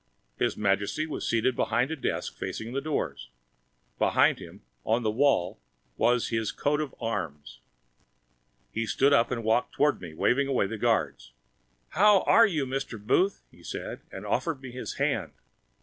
His Majesty was seated behind a desk facing the doors. Behind him, on the wall, was His Coat of Arms. He stood up and walked toward me, waving away the guards. "How are you, Mr. Booth?" he said. And offered me His Hand!